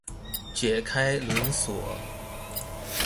解開輪鎖